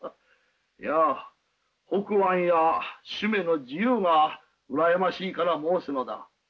いや北庵や主馬の自由が羨ましいから申すのだ。